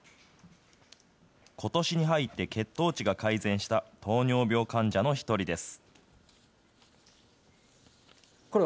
ことしに入って血糖値が改善した、糖尿病患者の一人です。